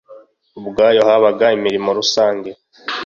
ubwayo Habaga imirimo rusange